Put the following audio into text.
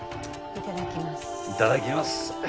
いただきます。